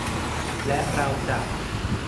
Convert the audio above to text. และเราจะ